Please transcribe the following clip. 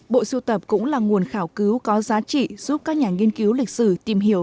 bộ sưu tập cũng là nguồn khảo cứu có giá trị giúp các nhà nghiên cứu lịch sử tìm hiểu